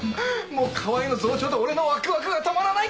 もう川合の増長と俺のワクワクが止まらない！